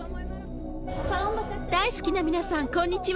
大好きな皆さん、こんにちは。